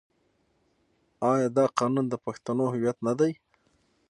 آیا دا قانون د پښتنو هویت نه دی؟